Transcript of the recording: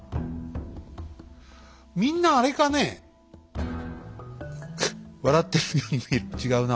みんなあれかねフフッ笑ってるように見える違うな。